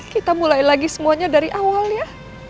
kita mulai lagi semuanya dari awal ya